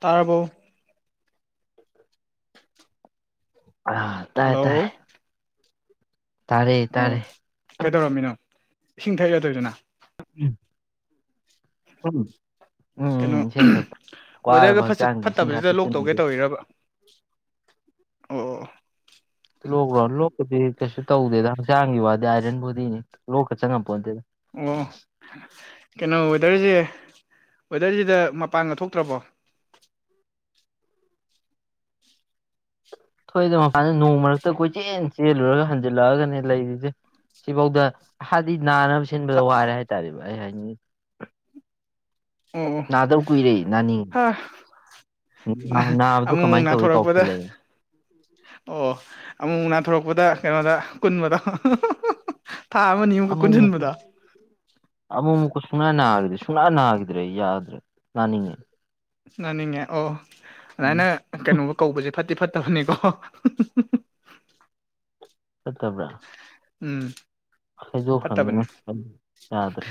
ꯇꯥꯔꯕꯣ ꯑ ꯇꯥꯏ ꯇꯥꯏ ꯍꯜꯂꯣ ꯇꯥꯔꯦ ꯑꯣ ꯇꯥꯔꯦ ꯀꯩꯗꯧꯔꯝꯃꯤꯅꯣ ꯏꯁꯤꯡ ꯊꯛꯏꯔ ꯇꯧꯔꯤꯗꯨꯅ ꯎꯝ ꯎ ꯀꯩꯅꯣ ꯋꯦꯗꯔꯒ ꯍꯛꯆꯥꯡꯁꯤ ꯏꯁꯤꯡ ꯈꯔ ꯐꯠꯇꯕꯁꯤꯗ ꯂꯣꯛ ꯇꯧꯒꯦ ꯊꯛꯆꯤꯟꯕꯁꯦ ꯇꯧꯔꯤꯔꯕ ꯑꯣ ꯂꯣꯛ꯭ꯔꯣ ꯂꯣꯛꯄꯗꯤ ꯀꯩꯁꯨ ꯇꯧꯗꯦꯗ ꯍꯛꯆꯥꯡꯒꯤ ꯋꯥꯗꯤ ꯑꯥꯏꯔꯟ ꯕꯣꯗꯤꯅꯤ ꯂꯣꯛꯀ ꯆꯪꯉꯛꯄꯣꯗꯦꯗ ꯑꯣ ꯀꯩꯅꯣ ꯋꯦꯗꯔꯁꯦ ꯋꯦꯗꯔꯁꯤꯗ ꯃꯄꯥꯟꯒ ꯊꯣꯛꯇ꯭ꯔꯕꯣ ꯊꯣꯏꯗ ꯃꯄꯥꯟꯗ ꯅꯣꯡ ꯃꯔꯛꯇ ꯀꯣꯏꯆꯦꯜ ꯆꯦꯜꯂꯨꯔꯒ ꯍꯟꯖꯤꯜꯂꯛꯑꯒꯅꯦ ꯂꯩꯔꯤꯁꯦ ꯁꯤꯐꯥꯎꯗ ꯍꯥꯏꯗꯤ ꯅꯥꯅꯕ ꯁꯤꯟꯕꯗ ꯁꯥ ꯋꯥꯔꯦ ꯍꯥꯏꯇꯥꯔꯦꯕ ꯑꯩ ꯍꯥꯏꯅꯤꯡꯉ ꯑꯣ ꯑꯣ ꯅꯥꯗꯧ ꯀꯨꯏꯔꯦ ꯅꯥꯅꯤꯡ ꯍꯥ ꯅꯥꯕꯗꯨ ꯑꯃꯨꯛꯃꯨꯛ ꯀꯃꯥꯏꯅ ꯇꯧꯋꯤ ꯀꯥꯎꯁꯨ ꯅꯥꯊꯣꯔꯛꯄꯗ ꯂꯩ ꯑꯣ ꯑꯃꯨꯛ ꯅꯥꯟꯊꯣꯔꯛꯄꯗ ꯀꯩꯅꯣꯗ ꯀꯨꯟꯕꯗꯣ ꯊꯥ ꯑꯃꯅꯤꯃꯨꯛꯀ ꯑꯃꯨꯛ ꯃꯨꯛ ꯀꯨꯟꯁꯤꯟꯕꯗꯣ ꯑꯃꯨꯛꯨꯛꯀ ꯁꯨꯡꯅꯥ ꯅꯥꯈꯤꯗ ꯁꯨꯡꯅꯥ ꯅꯥꯈꯤꯗ꯭ꯔꯦ ꯌꯥꯗ꯭ꯔꯦ ꯅꯥꯅꯤꯡꯉ ꯅꯥꯅꯤꯡꯉꯦ ꯑꯣ ꯑꯗꯨꯃꯥꯏꯅ ꯀꯩꯅꯣꯒ ꯀꯧꯕꯁꯦ ꯐꯠꯇꯤ ꯐꯠꯇꯕꯅꯤꯀꯣ ꯆꯠꯇꯕ꯭ꯔꯥ ꯎꯝ ꯈꯥꯏꯗꯣꯛꯈ꯭ꯔꯕꯅꯤꯅ ꯐꯠꯇꯕꯅꯤ ꯌꯥꯗ꯭ꯔꯦ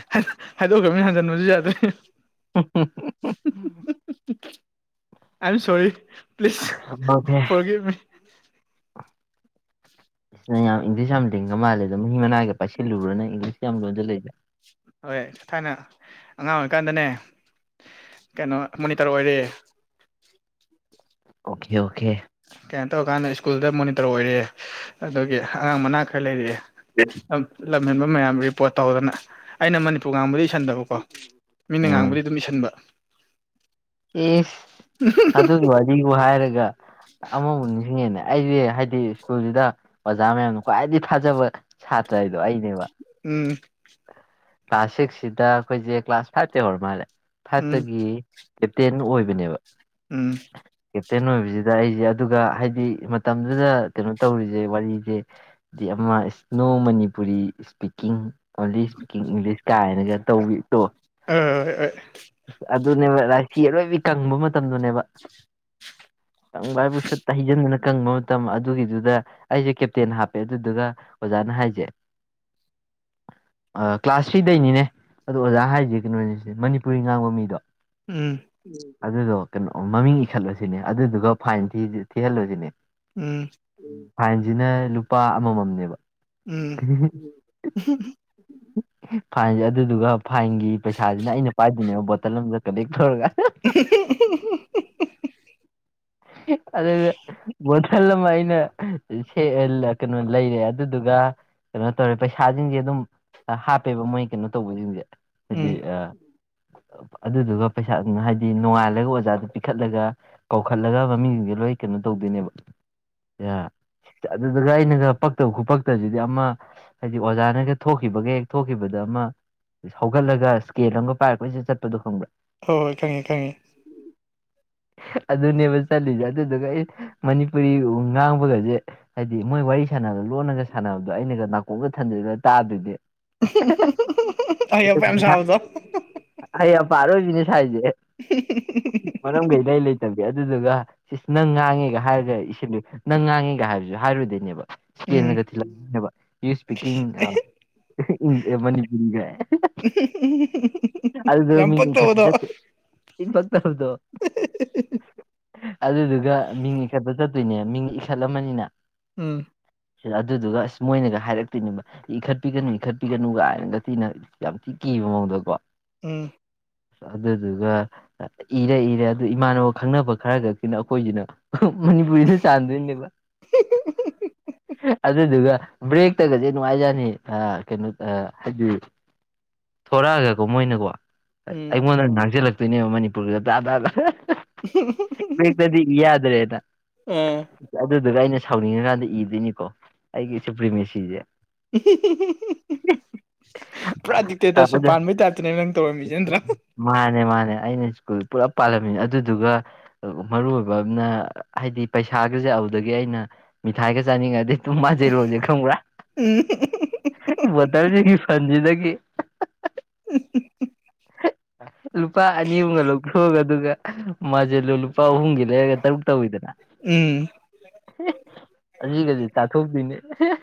ꯍꯥꯏꯗꯣꯛꯈ꯭ꯔꯕꯅꯤ ꯍꯟꯖꯤꯟꯕꯁꯨ ꯌꯥꯗ꯭ꯔꯦ ꯍꯥ [unintelligible] ꯑꯥꯏ ꯑꯦꯝ ꯁꯣꯔꯤ ꯄ꯭ꯂꯤꯖ ꯐꯣꯔꯒꯤꯞ ꯃꯤ ꯏꯁꯅ ꯌꯥꯝ ꯏꯪꯂꯤꯁ ꯌꯥꯝ ꯂꯤꯡꯒ ꯃꯥꯜꯂꯦ ꯑꯗꯣ ꯃꯍꯤ ꯃꯅꯥꯏꯒꯤ ꯄꯥꯏꯁꯤꯜꯂꯨꯨꯔꯅ ꯏꯪꯂꯤꯁ ꯌꯥꯝ ꯂꯣꯜꯖꯜꯂꯛ ꯏ ꯗꯣ ꯍꯣꯏ ꯊꯥꯏꯅ ꯑꯉꯥꯡ ꯑꯣꯏꯔꯤꯀꯥꯟꯗꯅꯦ ꯀꯩꯅꯣ ꯃꯣꯅꯤꯇꯔ ꯑꯣꯏꯔꯦ ꯑꯣꯀꯦ ꯑꯣꯀꯦ ꯀꯩꯅꯥꯏ ꯇꯧꯔꯀꯥꯟꯗ ꯁ꯭ꯀꯨꯜꯗ ꯃꯣꯅꯤꯇꯔ ꯑꯣꯏꯔꯛꯑꯦ ꯑꯗꯨꯒꯤ ꯑꯉꯥꯡ ꯃꯅꯥ ꯈꯔ ꯂꯩꯔꯛꯑꯦ [unintelligible] ꯂꯝꯍꯦꯟꯕ ꯃꯌꯥꯝ ꯔꯤꯄꯣꯔꯠ ꯇꯧꯗꯅ ꯑꯩꯅ ꯃꯅꯤꯄꯨꯔ ꯉꯥꯡꯕꯗ ꯏꯁꯟꯗꯕꯀꯣ ꯃꯤꯅ ꯎꯝ ꯉꯥꯡꯕꯗꯤ ꯑꯗꯨꯝ ꯏꯁꯁꯤꯟꯕ ꯑꯦꯁ ꯑꯗꯨꯒꯤ ꯋꯥꯔꯤꯕꯨ ꯍꯥꯏꯔꯒ ꯑꯃꯃꯛ ꯅꯤꯡꯁꯤꯡꯉꯦꯅꯦ ꯑꯩꯁꯦ ꯍꯥꯏꯗꯤ ꯁ꯭ꯀꯨꯜꯁꯤꯗ ꯑꯣꯖꯥ ꯃꯌꯥꯝꯅ ꯈ꯭ꯋꯥꯏꯗꯒꯤ ꯊꯥꯖꯕ ꯁꯥꯇ꯭ꯔ ꯍꯥꯏꯗꯣ ꯑꯩꯅꯦꯕ ꯎꯝ ꯀ꯭ꯂꯥꯁ ꯁꯤꯛꯁꯁꯤꯗ ꯑꯩꯈꯣꯏꯁꯦ ꯀ꯭ꯂꯥꯁ ꯐꯥꯏꯚꯇ ꯛꯚꯙꯆꯆꯩꯔ ꯃꯥꯜꯂꯦ ꯎꯝ ꯐꯥꯏꯚꯇꯒꯤ ꯀꯦꯞꯇꯦꯟ ꯑꯣꯏꯕꯅꯦꯕ ꯎꯝ ꯀꯦꯞꯇꯦꯟ ꯑꯣꯏꯕꯁꯤꯗ ꯑꯩꯁꯦ ꯑꯗꯨꯒ ꯍꯥꯏꯗꯤ ꯃꯇꯝꯗꯨꯗ ꯀꯩꯅꯣ ꯇꯧꯔꯤꯁꯦ ꯋꯥꯔꯤꯁꯦ ꯗꯤ ꯑꯃ ꯏꯁꯅꯣ ꯃꯅꯤꯄꯨꯔꯤ ꯏꯁꯄꯤꯀꯤꯡ ꯑꯣꯟꯂꯤ ꯏꯁꯂꯤꯁ ꯀꯥꯏꯅ ꯗꯏꯪꯂꯤꯁ ꯀꯥꯏꯅꯒ ꯇꯧꯕꯤꯗꯣ ꯑꯥ ꯑꯗꯨꯅꯦꯕ ꯔꯥꯁꯤ ꯑꯔꯣꯏꯕꯤ ꯀꯪꯕ ꯃꯇꯝꯗꯨꯅꯦꯕ ꯀꯪꯕ ꯍꯥꯏꯕꯨ ꯁꯠꯇ ꯍꯩꯖꯤꯟꯗꯨꯅ ꯀꯪꯕ ꯃꯇꯝ ꯃꯇꯝ ꯑꯗꯨꯒꯤꯗꯨꯗ ꯑꯩꯁꯦ ꯀꯦꯞꯇꯦꯟ ꯍꯥꯞꯄꯦ ꯑꯗꯨꯗꯨꯒ ꯑꯣꯖꯥꯅ ꯍꯥꯏꯁꯦ ꯀ꯭ꯂꯥꯁ ꯊ꯭ꯔꯤꯗꯩꯅꯤꯅꯦ ꯑꯗꯣ ꯑꯣꯖꯥ ꯍꯥꯏꯖ ꯀꯩꯅꯣꯅꯤꯅꯤ ꯄꯨꯔꯤ ꯉꯥꯡꯕ ꯃꯤꯗꯣ ꯎꯝꯏꯏ ꯑꯗꯨꯗꯣ ꯀꯩꯅꯣ ꯃꯃꯤꯡ ꯏꯈꯠꯂꯨꯁꯤꯅꯦ ꯑꯗꯨꯗꯨꯒ ꯐꯥꯏꯟ ꯊꯤꯍꯜꯂꯨꯁꯤꯅꯦ ꯎꯝ ꯐꯥꯏꯟꯁꯤꯅ ꯂꯨꯄꯥ ꯑꯃꯃꯝꯅꯦꯕ ꯎꯝ ꯐꯥꯏꯟꯁꯦ ꯑꯗꯨꯗꯨꯒ ꯐꯥꯏꯟꯒꯤ ꯄꯩꯁꯥꯁꯤꯅ ꯑꯩꯅ ꯅꯤ ꯣꯇꯜ ꯑꯃ ꯀꯟꯦꯛ ꯇꯧꯔꯒ ꯑꯣ ꯑꯗ ꯕꯣꯇꯜ ꯑꯃ ꯑꯩꯅ ꯁ ꯀꯩꯅꯣ ꯂꯩꯔꯦ ꯑꯗꯨꯗꯨꯒ ꯀꯩꯅꯣ ꯇꯧꯔꯦ ꯄꯩꯁꯥꯁꯤꯡꯁꯦ ꯑꯗꯨꯝ ꯍꯥꯞꯄꯦꯕ ꯃꯣꯏ ꯀꯩꯅꯣ ꯇꯧꯕꯁꯤꯡꯁꯦ ꯍꯥꯏꯗꯤ ꯎꯝ ꯑ ꯑꯗꯨꯗꯨꯒ ꯄꯩꯁꯥꯗꯨꯅ ꯍꯥꯏꯗꯤ ꯅꯣꯡꯉꯥꯜꯂꯒ ꯑꯣꯖꯥꯗꯨ ꯄꯤꯈꯠꯂꯒ ꯄꯨꯈꯠꯂꯒ ꯃꯃꯤꯡꯁꯤꯡꯁꯦ ꯂꯣꯏ ꯀꯩꯅꯣ ꯇꯧꯗꯣꯏꯅꯦꯕ ꯌꯥ ꯑꯗꯨꯗꯨꯒ ꯑꯩꯅꯒ ꯄꯛꯇꯕ ꯈꯨꯄꯛꯇꯁꯤꯗꯤ ꯑꯃ ꯍꯥꯏꯗꯤ ꯑꯣꯖꯥꯅꯒ ꯊꯣꯛꯈꯤꯕꯒ ꯍꯦꯛ ꯊꯣꯛꯈꯤꯕꯗ ꯑꯃ ꯍꯧꯒꯠꯂꯒ ꯏꯁꯀꯦꯜ ꯑꯃꯒ ꯄꯥꯏꯔꯛꯄꯩꯁꯤꯗ ꯆꯠꯄꯗꯣ ꯈꯪꯕ꯭ꯔꯥ ꯍꯣꯏ ꯍꯣꯏ ꯈꯪꯉꯦ ꯈꯪꯉꯦ ꯑꯗꯨꯅꯦꯕ ꯆꯠꯂꯤꯁꯦ ꯑꯗꯨꯗꯨꯒ ꯑꯩ ꯃꯅꯤꯄꯨꯔꯤ ꯉꯥꯡꯕꯒꯁꯦ ꯍꯥꯏꯗꯤ ꯃꯣꯏ ꯋꯥꯔꯤ ꯁꯥꯟꯅꯅꯕꯒ ꯂꯣꯟꯂꯒ ꯁꯥꯟꯅꯕꯗꯣ ꯑꯩꯅꯒ ꯅꯥꯀꯣꯛꯝꯒ ꯊꯟꯗꯣꯏꯗ ꯇꯥꯗꯣꯏꯗꯤ ꯑꯣꯛꯄ ꯌꯥꯝ ꯁꯥꯕꯗꯣ ꯑꯩ ꯑꯄꯥꯠ ꯑꯣꯏꯕꯤꯅꯦ ꯁꯥꯏꯁꯦ ꯃꯔꯝ ꯀꯩ ꯂꯩ ꯂꯩꯇꯦ ꯑꯗꯨꯗꯨꯒ ꯅꯪ ꯉꯥꯡꯉꯦꯒ ꯍꯥꯏꯔ ꯏ ꯅꯪ ꯉꯥꯡꯉꯦꯒ ꯍꯥꯏꯔꯁꯨ ꯍꯥꯏꯔꯨꯗꯣꯏꯅꯦꯕ ꯎꯝ ꯏꯁꯀꯦꯜꯒ ꯊꯤꯜꯂꯛꯅꯦꯕ ꯌ ꯏꯁꯄꯤꯀꯤꯡ ꯏ ꯃꯅꯤ ꯏꯒ [inaudible] ꯑꯗꯨꯜ ꯌꯥꯝ ꯃꯤꯅꯤ ꯈ ꯄꯛꯇꯕꯗꯣ ꯏ ꯐ ꯍꯕꯣ ꯍ ꯑꯗꯨꯗꯨꯒ ꯃꯤꯡ ꯏꯈꯠꯄ ꯆꯠꯇꯣꯏꯅꯦ ꯃꯤꯡ ꯏꯈꯠꯂꯝꯃꯅꯤꯅ ꯎꯝ ꯑꯗꯨꯗꯨꯒ ꯑꯁ ꯃꯣꯏꯅꯒ ꯍꯥꯏꯔꯛꯇꯣꯏꯅꯦꯕ ꯏꯈꯠꯄꯤꯒꯅꯨ ꯏꯈꯠꯄꯤꯒꯅꯨ ꯀꯥꯏꯅꯒ ꯊꯤꯅ ꯌꯥꯝ ꯊꯤꯛ ꯀꯦ ꯃꯑꯣꯡꯗ ꯀꯣ ꯎꯝ ꯑꯗꯨꯗ ꯑꯗꯨꯒ ꯍꯔ ꯍꯔꯦ ꯏꯃꯥꯟꯅꯕ ꯈꯪꯅꯕ ꯈꯔ ꯈꯛꯇꯅ ꯑꯩꯈꯣꯏꯁꯤꯅ ꯃꯅꯤꯄꯨꯔꯤꯗ ꯆꯥꯟꯗꯣꯏꯅꯦꯕ ꯑꯗꯨꯗꯨꯒ ꯕ꯭ꯔꯦꯛꯇꯒꯁꯦ ꯅꯨꯡꯉꯥꯏꯖꯅꯤ ꯀꯩꯅꯣ ꯍꯥꯏꯗꯤ ꯊꯣꯔꯛꯑꯒꯀꯣ ꯃꯣꯏꯅꯀꯣ ꯎꯝ ꯑꯩꯉꯣꯟꯗ ꯉꯥꯡꯁꯤꯜꯂꯛꯇꯣꯏꯅꯦꯕ ꯃꯅꯤꯄꯨꯔꯒꯤꯗ ꯇꯥ ꯇꯥꯗ ꯗꯤ ꯌꯥꯗ꯭ꯔꯦꯗ ꯑ ꯑꯗꯨꯗꯨꯒ ꯑꯩꯅ ꯁꯥꯎꯅꯤꯡꯉꯀꯥꯟꯗ ꯏꯗꯣꯏꯅꯤꯀꯣ ꯑꯩꯒꯤ ꯁꯨꯄ꯭ꯔꯤꯃꯦꯁꯤꯁꯦ ꯄꯨꯔꯥ ꯑ ꯗꯤꯛꯇꯦꯇꯔꯁꯨ ꯑꯗꯨ ꯄꯥꯟꯕꯩ ꯇꯥꯏꯞꯇꯅꯦꯕ ꯅꯪ ꯇꯧꯔꯝꯃꯤꯁ ꯅꯠꯇ꯭ꯔꯥ ꯃꯥꯅꯦ ꯃꯥꯅꯦ ꯑꯩꯅ ꯁ꯭ꯀꯨꯜ ꯄꯨꯂꯞ ꯄꯥꯜꯂꯝꯃꯤꯅꯤ ꯑꯗꯨꯗꯨꯒ ꯃꯔꯨ ꯑꯣꯏꯕ ꯑꯃꯅ ꯍꯥꯏꯗꯤ ꯄꯩꯁꯥꯒꯁꯦ ꯑꯗꯨꯗꯒꯤ ꯑꯩꯅ ꯃꯤꯊꯥꯏꯒ ꯆꯥꯅꯤꯡꯉꯗꯤ ꯃꯖꯩ ꯂꯣꯖꯦ ꯈꯃꯔꯥ ꯎꯝ ꯄꯇꯥꯔꯖꯦ ꯐꯖꯤꯗꯗꯒꯤ ꯎ ꯂꯨꯄꯥ ꯑꯅꯤ ꯑꯨꯨꯝꯒ ꯂꯤꯣꯛꯑꯒ ꯑꯗꯨꯒ ꯃꯥꯁꯦꯜꯂꯣ ꯂꯨꯄꯥ ꯑꯍꯨꯝꯒꯤ ꯂꯩꯔꯒ ꯇꯔꯨꯛ ꯇꯧꯋꯤꯗꯅ ꯎꯝ ꯍꯧꯖꯤꯛꯖꯤꯛ ꯆꯥꯊꯣꯛꯄꯤꯅꯦ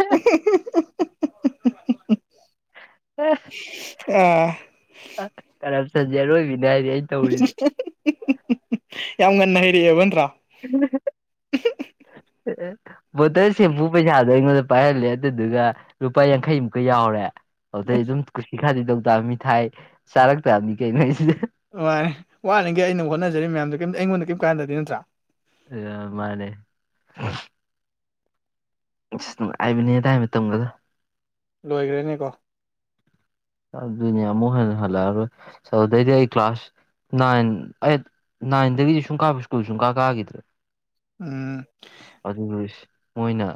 [inaudible] ꯑꯥ ꯀꯔꯞꯁꯟꯁꯦ ꯑꯔꯣꯏꯕꯤꯅꯦ ꯍꯥꯏꯗꯤ ꯑꯩ ꯌꯥꯝ ꯉꯟꯅ ꯍꯩꯔꯛꯑꯦꯕ ꯅꯠꯇ꯭ꯔꯥ ꯎꯝ ꯕꯣꯇꯜ ꯁꯦꯝꯄꯨ ꯄꯩꯁꯥꯗꯣ ꯑꯩꯉꯣꯟꯗ ꯄꯥꯏꯍꯜꯂꯦ ꯑꯗꯨꯗꯨꯒ ꯂꯨꯄꯥ ꯌꯥꯡꯈꯩꯃꯨꯛꯀ ꯌꯥꯎꯔꯦ ꯑꯗꯩ ꯑꯗꯨꯝ ꯀꯨꯁꯤ ꯈꯥꯗꯤ ꯇꯧ ꯇꯥꯑꯕꯃꯤ ꯊꯥꯏ ꯆꯥꯔꯛ ꯇꯥꯑꯕꯅꯤ ꯀꯩꯅꯣꯁꯤꯗ ꯋꯥꯅꯤ ꯋꯥꯠꯅꯤꯒꯦ ꯑꯩꯅ ꯍꯣꯠꯅꯖꯔꯤ ꯃꯌꯥꯝꯗꯣ ꯀꯝꯇ ꯑꯩꯉꯣꯟꯗ ꯀꯔꯤꯝ ꯀꯥꯟꯗꯗꯤ ꯅꯠꯇ꯭ꯔꯥ ꯑ ꯃꯥꯅꯦ ꯑꯁ ꯅꯨꯡꯉꯥꯏꯕꯅꯤ ꯑꯗꯨꯗꯥꯏ ꯃꯇꯝꯒꯗꯣ ꯂꯣꯏꯈ꯭ꯔꯦꯅꯤꯀꯣ ꯑꯗꯨꯅꯤ ꯑꯃꯨ ꯍꯅ ꯍꯜꯂ ꯆꯗꯗꯤ ꯑꯩ ꯀ꯭ꯂꯥꯁ ꯅꯥꯏꯟ ꯑꯩꯠ ꯅꯥꯏꯟꯗꯒꯤꯗꯤ ꯁꯨꯝ ꯀꯥꯕ ꯁ꯭ꯀꯨꯜ ꯁꯨꯡ ꯀꯥ ꯀꯥꯈꯤꯗ꯭ꯔꯦ ꯑ ꯑꯗꯨꯕꯨ ꯃꯣꯏꯅ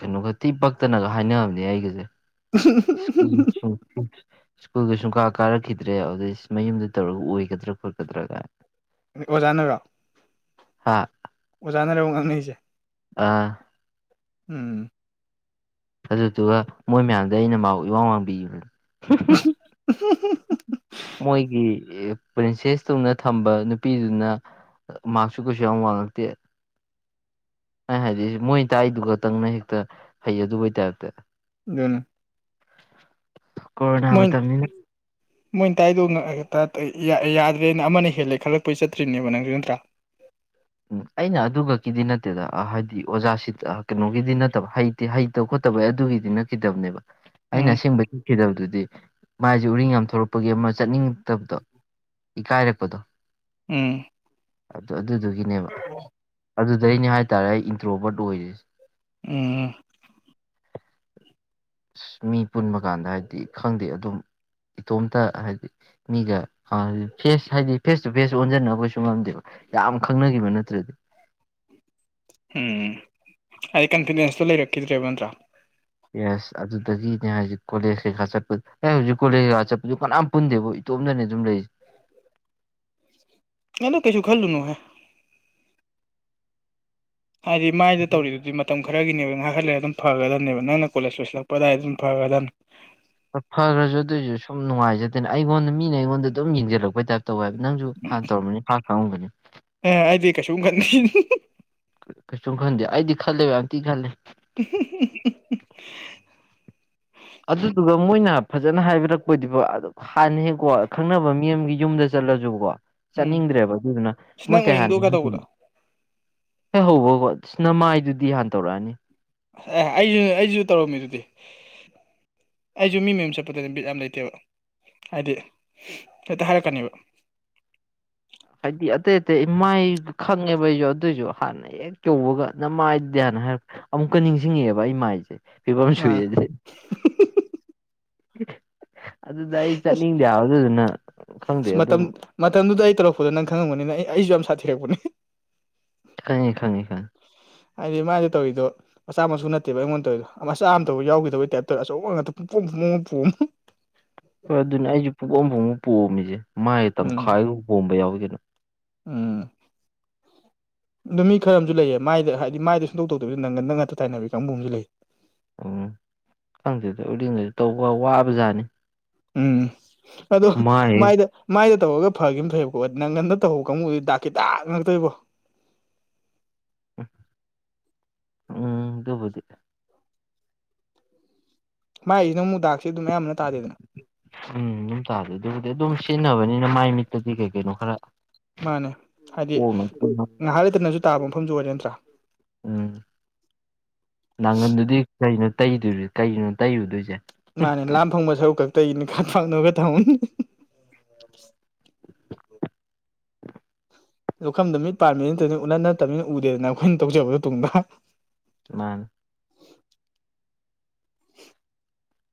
ꯀꯩꯅꯣꯒ ꯊꯤ ꯄꯛꯇꯅꯒ ꯍꯥꯏꯅꯝꯅꯦ ꯑꯩꯒꯁꯦ ꯎ ꯎ ꯁ꯭ꯀꯨꯜꯒ ꯁꯨꯡ ꯀꯥ ꯀꯥꯔꯛꯈꯤꯗ꯭ꯔꯦ ꯑꯗꯨꯗ ꯃꯌꯨꯝꯗ ꯇꯧꯔꯒ ꯑꯣꯏꯒꯗ꯭ꯔꯥ ꯈꯣꯠꯀꯗ꯭ꯔꯥ ꯀꯥꯏ ꯑꯣꯖꯥꯅꯒꯣ ꯍꯥꯥ ꯑꯣꯖꯥꯅꯔꯦꯕ ꯉꯥꯡꯅꯔꯤꯁꯦ ꯑꯥ ꯎꯝ ꯑꯗꯨꯗꯨꯒ ꯃꯣꯏ ꯃꯌꯥꯝꯗ ꯑꯩꯅ ꯃꯥꯥꯎ ꯏꯋꯥ ꯋꯥꯡꯕꯤꯈꯤꯕꯅꯤ [inaudible] ꯃꯣꯏꯒꯤ ꯄ꯭ꯔꯤꯟꯁꯦꯁ ꯇꯨꯡꯅ ꯊꯝꯕ ꯅꯨꯄꯤꯗꯨꯅ ꯃꯥꯛꯁꯨ ꯀꯩꯁꯨ ꯌꯥꯝ ꯋꯥꯡꯉꯛꯇꯦ ꯍꯥꯏꯗꯤ ꯃꯣꯏ ꯇꯥꯛꯏꯗꯨ ꯈꯛꯇꯪꯅ ꯍꯦꯛꯇ ꯍꯩ ꯑꯗꯨꯩ ꯇꯥꯏꯞꯇ ꯑꯗꯨꯅ ꯀꯣꯔꯔꯣꯅꯥ ꯃꯣꯏ ꯃꯇꯝꯅꯤ ꯃꯣꯏꯅ ꯇꯥꯏꯗꯧ ꯌꯥꯗ꯭ꯔꯦꯅ ꯑꯃꯅ ꯍꯦꯜꯂꯦ ꯈꯜꯂꯛꯄꯩ ꯆꯠꯇ꯭ꯔꯤꯅꯦꯕ ꯅꯪꯁꯨ ꯅꯠꯇ꯭ꯔꯥ ꯎꯝ ꯑꯩꯅ ꯑꯗꯨ ꯈꯛꯀꯤꯗꯤ ꯅꯠꯇꯦꯗ ꯍꯥꯏꯗꯤ ꯑꯣꯖꯥꯁꯤ ꯀꯩꯅꯣꯒꯤꯗꯤ ꯅꯠꯇꯕ ꯍꯩ ꯍꯩꯇꯕ ꯈꯣꯠꯇꯕ ꯑꯗꯨꯒꯤꯗꯤ ꯅꯈꯤꯗꯕꯅꯦꯕ ꯑꯩꯅ ꯎꯝ ꯑꯁꯦꯡꯕꯒꯤ ꯁꯤꯗꯕꯗꯨꯗꯤ ꯃꯥꯏꯁꯦ ꯎꯔꯤꯡ ꯌꯥꯝ ꯊꯣꯛꯣꯔꯛꯄꯒꯤ ꯑꯃ ꯆꯠꯅꯤꯡꯛꯇꯕꯗꯣ ꯏꯀꯥꯏꯔꯛꯄꯗꯣ ꯎꯝ ꯑꯗꯨ ꯑꯗꯨꯗꯨꯒꯤꯅꯦꯕ ꯑꯗꯨꯗꯩꯅꯦ ꯍꯥꯏꯇꯥꯔꯦ ꯑꯩ ꯏꯟꯇ꯭ꯔꯣꯕꯔꯠ ꯑꯣꯏꯔꯤꯁꯦ ꯑ ꯑꯁ ꯃꯤ ꯄꯨꯟꯕ ꯀꯥꯟꯗ ꯍꯥꯏꯗꯤ ꯈꯪꯗꯦ ꯑꯗꯨꯝ ꯏꯇꯣꯝꯇ ꯍꯥꯏꯗꯤ ꯃꯤꯒ ꯐꯦꯁ ꯍꯥꯏꯗꯤ ꯐꯦꯁ ꯇꯨ ꯐꯦꯁ ꯑꯣꯟꯁꯤꯟꯅꯕ ꯀꯩꯁꯨ ꯉꯝꯗꯦꯕ ꯌꯥꯝ ꯈꯪꯅꯈꯤꯕ ꯅꯠꯇ꯭ꯔꯗꯤ ꯎꯝ ꯑꯩꯗꯤ ꯀꯟꯐꯤꯗꯦꯟꯁꯇꯣ ꯂꯩꯔꯛꯈꯤꯗ꯭ꯔꯦꯕ ꯅꯠꯇ꯭ꯔꯥ ꯌꯦꯁ ꯑꯗꯨꯗꯒꯤꯅꯦ ꯍꯧꯖꯤꯛ ꯀꯣꯂꯦꯖ ꯀꯩꯀꯥ ꯆꯠꯄꯗꯨ ꯑꯦ ꯍꯧꯖꯤꯛ ꯀꯣꯂꯦꯖ ꯀꯩꯀꯥ ꯆꯠꯄꯗꯨ ꯀꯅꯥꯝ ꯄꯨꯄꯟꯗꯦꯕꯨ ꯏꯇꯣꯝꯗꯅꯅꯦ ꯑꯗꯨꯝ ꯂꯩꯁꯦ ꯑꯗꯣ ꯀꯩꯁꯨ ꯈꯜꯂꯨꯅꯨꯍꯦ ꯍꯥꯏꯗꯤ ꯃꯥꯏꯗ ꯇꯧꯔꯤꯗꯨꯗꯤ ꯃꯇꯝ ꯈꯔꯒꯤꯅꯦꯕ ꯉꯥꯏꯍꯜꯂꯦ ꯑꯗꯨꯝꯒꯗꯅꯦꯕ ꯅꯪꯅ ꯀꯣꯂꯦꯖ ꯂꯣꯏꯁꯤꯜꯂꯛꯄꯗꯥꯏ ꯑꯗꯨꯝ ꯐꯒꯗꯕꯅꯤ ꯐꯔꯁꯨ ꯑꯗꯨꯑꯣꯏꯁꯨ ꯁꯨꯝ ꯅꯨꯡꯉꯥꯏꯖꯗꯦꯅ ꯑꯩꯉꯣꯟꯗ ꯃꯤꯅ ꯑꯩꯉꯣꯟꯗ ꯑꯗꯨꯝ ꯌꯦꯡꯜꯛꯩ ꯇꯥꯏꯞꯇ ꯇꯧꯦ ꯍꯥꯏꯕ ꯅꯪꯁꯨ ꯍꯥꯟꯅ ꯇꯧꯔꯝꯝꯕꯅꯤ ꯍ ꯈꯪꯉꯝꯒꯅꯤ ꯑꯦ ꯑꯩꯗꯤ ꯀꯩꯁꯨ ꯑꯃ ꯈꯠꯅꯤ ꯀꯩꯁꯨꯝ ꯈꯟꯗꯦ ꯑꯩꯗꯤ ꯈꯜꯂꯦꯕ ꯑꯝꯇꯤ ꯈꯜꯂꯦ ꯎ ꯑꯗꯨꯗꯨꯒ ꯃꯣꯏꯅ ꯐꯖꯅ ꯍꯥꯏꯕꯤꯔꯛꯄꯗꯨꯕ ꯍꯥꯟꯅ ꯍꯦꯛꯀꯣ ꯈꯪꯅꯕ ꯃꯤ ꯑꯃꯒꯤ ꯌꯨꯝꯗ ꯆꯠꯂꯁꯨꯀꯣ ꯎꯝ ꯆꯠꯅꯤꯡꯗ꯭ꯔꯦꯕ ꯑꯗꯨꯗꯨꯅ ꯑꯁ ꯃꯣꯏ ꯅꯪ ꯀꯩ ꯎꯔꯤꯡꯗꯣ ꯀꯩꯗꯧꯕꯗꯣ ꯍꯥꯏꯅꯤ ꯍꯦꯛ ꯍꯧꯕꯀꯣ ꯁꯤ ꯅ ꯃꯥꯏꯗꯨꯗꯤ ꯍꯥꯟꯅ ꯇꯧꯔꯛꯑꯅꯤ ꯑꯦ ꯑꯩꯁꯨ ꯑꯩꯁꯨ ꯇꯧꯔꯝꯃꯤ ꯑꯗꯨꯗꯤ ꯑꯩꯁꯨ ꯃꯤ ꯃꯌꯨꯝ ꯆꯠꯄꯗ ꯕꯤꯠ ꯌꯥꯝ ꯂꯩꯇꯦꯕ ꯍꯥꯏꯗꯤ ꯍꯦꯇ ꯍꯥꯏꯔꯛ ꯀꯅꯤꯕ ꯍꯥꯏꯗꯤ ꯑꯇꯩ ꯑꯇꯩ ꯏꯃꯥꯏ ꯈꯪꯉꯦꯕ ꯑꯩꯁꯨ ꯑꯗꯨꯏꯁꯨ ꯍꯥꯟꯅ ꯍꯦꯛ ꯌꯧꯕꯒ ꯅꯃꯥꯏꯗꯦꯅ ꯍꯥꯏꯔꯛꯄ ꯑꯃꯨꯛꯀ ꯅꯤꯡꯁꯤꯡꯉꯛꯑꯦꯕ ꯑꯩ ꯃꯥꯏꯁꯦ ꯐꯤꯕꯝ ꯃꯥꯅ ꯁꯣꯛꯑꯦꯅꯦ ꯑꯗꯨꯗ ꯑꯩ ꯑꯁ ꯆꯠꯅꯤꯡꯗꯦꯕ ꯑꯗꯨꯗꯨꯅ ꯈꯪꯗꯦ ꯑꯁ ꯑꯗꯨꯝ ꯃꯇꯝ ꯃꯇꯝꯗꯨꯗ ꯑꯩ ꯇꯧꯔꯛꯄꯗꯣ ꯅꯪ ꯈꯪꯉꯝꯒꯅꯤꯅ ꯑꯩꯁꯨ ꯌꯥꯝ ꯁꯥꯊꯤꯔꯛꯄꯅꯦ ꯈꯪꯉꯦ ꯈꯪꯉꯦ ꯈꯪꯉꯦ ꯍꯥꯏꯗꯤ ꯃꯥꯏꯗ ꯇꯧꯋꯤꯗꯣ ꯃꯆꯥ ꯃꯁꯨ ꯅꯠꯇꯦꯕ ꯑꯩꯉꯣꯟꯗꯧꯔꯤꯗ ꯃꯆꯥ ꯑꯃꯇ ꯌꯥꯎꯈꯤꯗꯕꯩ ꯇꯥꯏꯞꯇ ꯑꯆꯧꯕ ꯉꯥꯛꯇ ꯍꯣꯏ ꯑꯗꯨꯅꯦ ꯑꯩꯁꯨ ꯄꯨꯛ ꯄꯣꯝ ꯄꯣꯝꯃꯤꯁꯦ ꯃꯥꯥꯏ ꯎꯝ ꯇꯪꯈꯥꯏ ꯃꯨꯛ ꯄꯣꯝꯕ ꯌꯥꯎꯏ ꯀꯩꯅꯣ ꯎꯝ ꯑꯗꯨ ꯃꯤ ꯈꯔ ꯑꯃꯁꯨ ꯂꯩꯌꯦ ꯃꯥꯏꯗ ꯍꯥꯏꯗꯤ ꯃꯥꯏꯗ ꯁꯨꯡꯇꯧ ꯇꯧꯇꯕꯤꯗ ꯅꯪ ꯒꯟꯗ ꯉꯥꯛꯇ ꯇꯥꯏꯅꯕꯤ ꯀꯥꯡꯕꯨ ꯑꯃꯁꯨ ꯂꯩꯌꯦ ꯎꯝ ꯈꯪꯗꯦꯗ ꯎꯔꯤꯡꯒꯁꯦꯇꯧꯕ ꯋꯥꯕ ꯖꯥꯠꯅꯤ ꯎꯝ ꯑꯗꯣ ꯃꯥꯏ ꯃꯥꯏꯗ ꯃꯥꯏꯗ ꯇꯧꯔꯒ ꯐꯈꯤꯕꯅ ꯐꯩꯕꯀꯣ ꯅꯪ ꯉꯟꯗ ꯇꯧꯍꯧꯕ ꯀꯥꯡꯕꯨꯗꯨꯗꯤ ꯗꯥꯛꯀꯤ ꯗꯥꯛ ꯉꯛꯇ ꯏꯕꯣ ꯎ ꯎꯝ ꯑꯗꯨꯕꯨꯗꯤ ꯃꯥꯏꯁꯤꯅ ꯃꯨ ꯗꯥꯥꯛꯁꯦ ꯑꯗꯨꯝ ꯑꯌꯥꯝꯕꯅ ꯇꯥꯗꯦꯗꯅ ꯎꯝ ꯌꯨꯝ ꯇꯥꯗꯦ ꯑꯗꯨꯕꯨꯗꯤ ꯑꯗꯨꯝ ꯁꯤꯖꯤꯟꯅꯕꯅꯤꯅ ꯃꯥꯏ ꯃꯤꯠꯇꯗꯤ ꯀꯩ ꯀꯩꯅꯣ ꯈꯔ ꯃꯥꯅꯦ ꯍꯥꯏꯗꯤ ꯀꯣꯛꯅꯕ ꯉꯥꯏꯍꯥꯛ ꯂꯩꯇꯅꯁꯨ ꯇꯥꯕ ꯃꯐꯝꯁꯨ ꯑꯣꯏꯔꯦ ꯅꯠꯇ꯭ꯔꯥ ꯎꯝ ꯅꯪꯒꯟꯗꯨꯗꯤ ꯀꯩꯅꯣ ꯇꯩꯗꯣꯏ ꯀꯒꯤꯅꯣ ꯇꯩꯔꯨꯗꯣꯏꯁꯦ ꯃꯥꯅꯦ ꯂꯥꯝ ꯐꯪꯕ ꯁꯔꯨꯛ ꯈꯛꯇꯩꯒꯤꯅꯤ ꯈꯥ ꯐꯪꯗꯕ ꯈꯔ ꯊꯝꯃꯝꯅꯤ ꯂꯧꯈꯝꯗ ꯃꯤꯠ ꯄꯥꯝꯃꯤ ꯅꯠꯇꯅꯤ ꯎꯅ ꯅꯠꯇꯃꯤꯅ ꯎꯗꯦꯗꯅ ꯑꯩꯈꯣꯏꯅ ꯇꯧꯖꯕꯗꯣ ꯇꯨꯡꯗ ꯃꯥꯅꯦ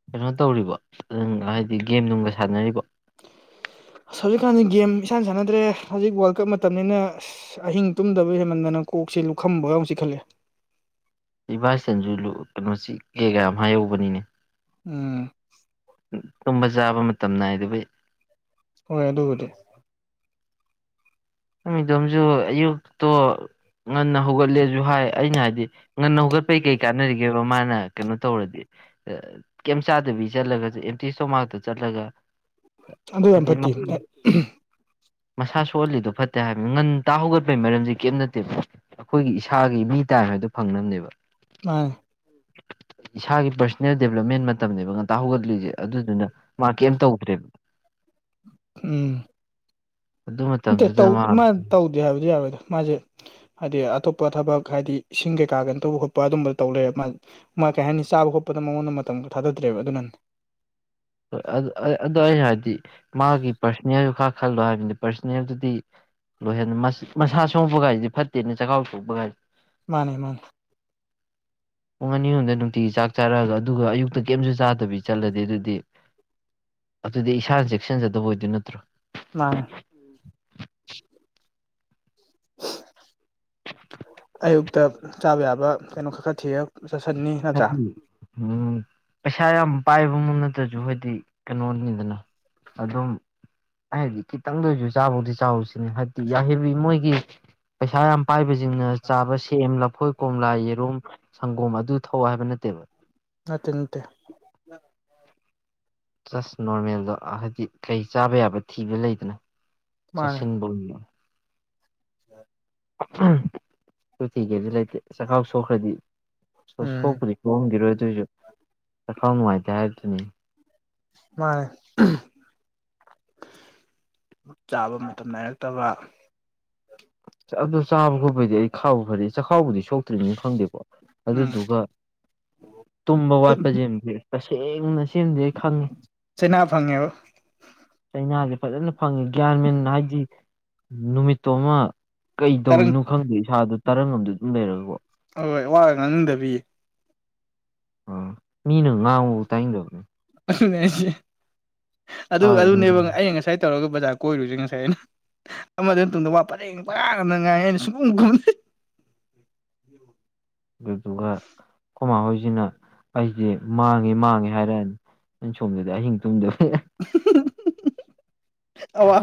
ꯀꯩꯅꯣ ꯇꯧꯔꯤꯕꯣ ꯑꯝ ꯍꯥꯏꯗꯤ ꯒꯦꯝ ꯅꯨꯡꯒ ꯁꯥꯟꯅꯔꯤꯕ ꯑꯁ ꯍꯧꯖꯤꯛꯀꯥꯟꯗꯤ ꯒꯦꯝ ꯏꯁꯥꯟ ꯁꯥꯟꯅꯗ꯭ꯔꯦ ꯍꯧꯖꯤꯛ ꯋꯥꯔꯜ ꯀꯞ ꯃꯇꯝꯅꯤꯅ ꯑꯁ ꯑꯁ ꯑꯍꯤꯡ ꯇꯨꯝꯗꯕ ꯍꯦꯟꯃꯟꯗꯅ ꯀꯣꯛꯁꯦ ꯂꯨꯞꯈꯝꯕꯧ ꯌꯥꯎꯅ ꯆꯤꯛꯈꯠꯂꯛꯑꯦ [unintelligible] ꯎꯝ ꯇꯨꯝꯕ ꯆꯥꯕ ꯃꯇꯝ ꯅꯥꯏ ꯗꯕꯩ ꯍꯣꯏ ꯑꯗꯨꯕꯨꯗꯤ ꯃꯤꯗꯣꯝꯁꯨ ꯑꯌꯨꯛꯇꯣ ꯉꯟꯅ ꯍꯧꯒꯠꯂꯦꯁꯨ ꯍꯥꯏ ꯑꯩꯅ ꯍꯥꯏꯗꯤ ꯉꯟꯅ ꯍꯧꯒꯠꯄꯩ ꯀꯩ ꯀꯥꯟꯅꯔꯤꯒꯦꯕ ꯃꯥꯅ ꯀꯩꯅꯣ ꯇꯧꯔꯗꯤ ꯀꯦꯝꯆꯥꯗꯕꯤ ꯆꯠꯂꯒ ꯑꯦꯝꯇꯤꯁꯇꯣꯃꯥꯛꯇ ꯆꯠꯂꯒ ꯑꯗꯨ ꯌꯥꯝ ꯍꯥꯏꯗꯤ ꯐꯠꯇꯦ ꯃꯁꯥ ꯁꯣꯛꯍꯜꯂꯤꯗꯣ ꯐꯠ ꯍꯥꯏꯕ ꯉꯟ ꯇꯥ ꯍꯧꯒꯠꯄꯒꯤ ꯃꯔꯝꯁꯦ ꯀꯩꯝ ꯅꯠꯇꯦ ꯑꯩꯈꯣꯏꯒꯤ ꯏꯁꯥꯒꯤ ꯃꯤ ꯇꯥꯏꯝ ꯍꯥꯏꯕꯗꯣ ꯐꯪꯅꯕꯅꯦꯕ ꯃꯥꯅꯦ ꯏꯁꯥꯒꯤ ꯄꯔꯁꯣꯅꯦꯜ ꯗꯦꯕꯂꯞꯃꯦꯟ ꯃꯇꯝꯅꯦꯕ ꯉꯟꯇ ꯍꯧꯒꯠꯂꯤꯁꯦ ꯑꯗꯨꯗꯨꯅ ꯃꯥ ꯀꯦꯝ ꯇꯧꯗ꯭ꯔꯦꯕ ꯎꯝ ꯑꯗꯨ ꯅꯠꯇꯦ ꯃꯇꯝꯗꯨꯗ ꯇꯧ ꯃꯥ ꯇꯧꯗꯦ ꯍꯥꯏꯕꯗꯤ ꯌꯥꯔꯣꯏꯗ ꯃꯥꯁꯦ ꯍꯥꯏꯗꯤ ꯑꯇꯣꯞꯄ ꯊꯕꯛ ꯍꯥꯏꯗꯤ ꯏꯁꯤꯡ ꯀꯩꯀꯥ ꯀꯩꯅ ꯇꯧꯕ ꯈꯣꯠꯄ ꯑꯗꯨꯝꯕ ꯇꯧ ꯂꯩꯔꯦ ꯃꯥ ꯃꯥ ꯀꯩ ꯍꯥꯏꯅꯤ ꯆꯥꯕ ꯈꯣꯠꯄꯗ ꯃꯉꯣꯟꯗ ꯃꯇꯝꯒ ꯊꯥꯗ꯭ꯔꯦꯕ ꯑꯗꯨꯅ ꯑꯗꯣ ꯑꯩꯅ ꯍꯥꯏꯗꯤ ꯃꯥꯒꯤ ꯄꯥꯔꯁꯣꯅꯦꯜ ꯈꯔ ꯈꯜꯂꯣ ꯍꯥꯏꯕꯅꯤꯗ ꯄꯔꯁꯣꯅꯦꯜꯗꯨꯗꯤ ꯂꯣꯏꯍꯟ ꯃꯁꯥ ꯁꯣꯛꯄꯒꯥꯏꯁꯤꯗꯤ ꯐꯠꯇꯦꯅꯦ ꯆꯈꯥꯎ ꯁꯣꯛꯄꯥꯒꯥꯏꯁꯦ ꯃꯥꯅꯦ ꯃꯥꯅꯦ ꯄꯨꯡ ꯑꯅꯤꯔꯣꯝꯗ ꯅꯨꯡꯇꯤꯒꯤ ꯆꯥꯛ ꯆꯥꯔꯛꯑꯒ ꯑꯗꯨꯒ ꯑꯌꯨꯛꯇ ꯀꯩꯝꯁꯨ ꯆꯥꯗꯕꯤ ꯆꯠꯂꯗꯤ ꯑꯗꯨꯗꯤ ꯑꯗꯨꯗꯤ ꯏꯁꯥꯅ ꯆꯦꯛꯁꯤꯟꯖꯗꯕ ꯑꯣꯏꯗꯣꯏ ꯅꯠꯇ꯭ꯔꯣ ꯃꯥꯅꯦ [inaudible] ꯑꯌꯨꯛꯇ ꯆꯥꯕ ꯌꯥꯕ ꯀꯩꯅꯣ ꯈꯔ ꯈꯔ ꯊꯤꯑ ꯁ ꯁꯅꯤ [unintelligible] ꯍꯥꯏ [unintelligible] ꯎꯝ ꯄꯩꯁꯥ ꯌꯥꯝ ꯄꯥꯏꯕ ꯑꯃꯝ ꯅꯠꯇ꯭ꯔꯁꯨ ꯍꯥꯏꯗꯤ ꯀꯩꯅꯣꯅꯤꯗꯅ ꯑꯗꯨꯝ ꯍꯥꯏꯕꯗꯤ ꯈꯤꯇꯪꯗ ꯑꯣꯏꯁꯨ ꯆꯥꯕꯧꯗꯤ ꯆꯥꯎꯁꯤꯅꯦ ꯍꯥꯏꯕꯗꯤ ꯌꯥꯍꯕꯤ ꯃꯣꯏꯒꯤ ꯄꯩꯁꯥ ꯌꯥꯝ ꯄꯥꯏꯕꯁꯤꯡꯅ ꯆꯥꯕ ꯁꯦꯝ ꯂꯐꯣꯏ ꯀꯣꯝꯂꯥ ꯌꯦꯔꯨꯝ ꯁꯪꯒꯣꯝ ꯑꯗꯨ ꯊꯧꯑꯣ ꯍꯥꯏꯕ ꯅꯠꯇꯦꯕ ꯅꯠꯇꯦ ꯅꯠꯇꯦ ꯖꯁ ꯅꯣꯔꯃꯦꯜꯗꯣ ꯍꯥꯏꯗꯤ ꯀꯩ ꯆꯥꯕ ꯌꯥꯕ ꯊꯤꯕ ꯂꯩꯗꯅ ꯆꯥꯁꯤꯟꯕ ꯑꯣꯏꯕ ꯑ [inaudible] ꯁꯣꯇꯤ ꯀꯩꯗꯤ ꯂꯩꯇꯦ ꯆꯈꯥꯎ ꯁꯣꯛꯈ꯭ꯔꯗꯤ ꯎꯝ ꯁꯣꯛꯄ꯭ꯔꯤ ꯆꯣꯡꯈꯤꯔꯣꯏ ꯑꯗꯨꯁꯨ ꯆꯈꯥꯎ ꯅꯨꯡꯉꯥꯏꯇꯦ ꯍꯥꯏꯕꯗꯨꯅꯤ ꯃꯥꯅꯦ ꯆꯥꯕ ꯃꯇꯝ ꯅꯥꯏꯔꯛꯇꯕ ꯑꯗꯣ ꯆꯥꯕ ꯈꯣꯠꯄꯗꯤ ꯑꯩ ꯈꯥꯎꯕ ꯐꯔꯦ ꯆꯈꯥꯎꯕꯨꯗꯤ ꯁꯣꯛꯇ꯭ꯔꯤꯕꯅꯤꯅ ꯈꯪꯗꯦꯕꯣ ꯎꯝ ꯑꯗꯨꯗꯨꯒ ꯇꯨꯝꯕ ꯑꯗꯨꯝ ꯋꯥꯠꯄ ꯁꯦꯝꯁꯦ ꯇꯁꯦꯡꯅ ꯁꯦꯝꯁꯦ ꯆꯅꯥꯕꯪꯉꯦꯕꯨ ꯆꯩꯅꯥꯁꯦ ꯐꯖꯅ ꯐꯪꯉꯦ ꯒ꯭ꯌꯥꯟ ꯃꯦꯟ ꯍꯥꯏꯗꯤ ꯅꯨꯃꯤꯠꯇꯣ ꯑꯃ ꯀꯩ ꯇꯔꯪ ꯇꯧꯔꯤꯅꯣ ꯈꯪꯗꯦ ꯏꯁꯥꯗꯣ ꯇꯔꯪꯝꯗ ꯑꯗꯨꯝ ꯂꯩꯔꯒꯀꯣ ꯍꯣꯏ ꯍꯣꯏ ꯑ ꯋꯥꯕ ꯉꯥꯡꯅꯤꯡꯗꯕꯤꯌꯦ ꯑꯣ ꯃꯤꯅ ꯉꯥꯎ ꯇꯥꯏꯅꯤꯡꯗꯕꯅꯤ ꯑꯗꯨꯅꯦ ꯑꯩꯁꯦ ꯑꯗꯨ ꯏꯁꯥꯁꯦ ꯑꯗꯨꯅꯦꯕ ꯉꯝ ꯑꯩꯅ ꯉꯁꯥꯏ ꯇꯧꯔꯒ ꯕꯖꯥꯔ ꯀꯣꯏꯔꯨꯁꯦ ꯉꯁꯥꯏ ꯑꯩꯅ ꯑꯃꯗ ꯇꯨꯡꯗ ꯋꯥ ꯄꯔꯦꯡ ꯄꯔꯥ ꯉꯗꯅ ꯉꯥꯏꯉꯦ ꯑꯩꯅ ꯁꯨꯛ [unintelligible] ꯑꯗꯨꯗꯨꯒ ꯈꯨꯃꯥ ꯍꯣꯏꯖꯨꯅꯦ ꯑꯩꯁꯦ ꯃꯥꯡꯉꯦ ꯃꯥꯡꯉꯦ ꯍꯥꯏꯔꯅꯤ ꯅ ꯁꯣꯝꯗꯗꯤ ꯑꯍꯤꯡ ꯇꯨꯝꯗ ꯑꯋꯥ